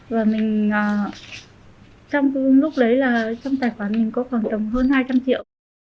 và mình trong lúc đấy là trong tài khoản mình có khoảng tầm hơn hai trăm linh triệu